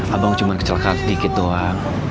abang cuma kecelakaan sedikit doang